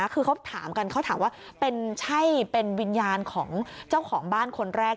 คือเขาถามกันเขาถามว่าใช่เป็นวิญญาณของเจ้าของบ้านคนแรก